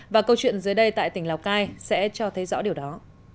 và câu chuyện dưới đây tại tỉnh lào cai sẽ cho thấy rõ điều đó